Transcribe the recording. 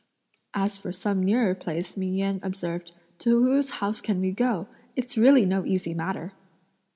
"As for some nearer place," Ming Yen observed; "to whose house can we go? It's really no easy matter!"